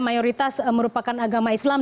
mayoritas merupakan agama islam